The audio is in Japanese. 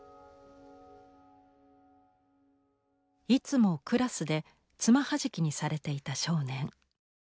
いつもクラスで爪はじきにされていた少年。